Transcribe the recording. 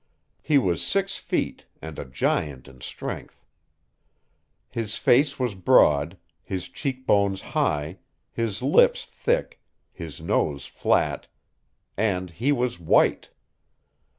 He was six feet, and a giant in strength. His face was broad, his cheek bones high, his lips thick, his nose flat. And he was WHITE.